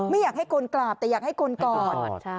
ไม่อยากให้คนกราบแต่อยากให้คนก่อน